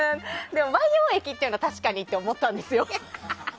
でも、培養液というのは確かにって思ったんですよ。